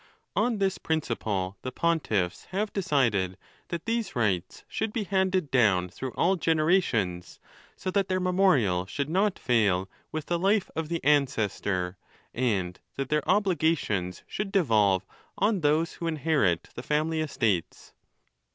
On this principle, the poutiffs have decided that these rites should be handed ON THE LAWS. 451 down through all generations, so that their memorial should not fail with the life of the ancestor, and that their obliga tions should devolve"on those who inherit the family estates.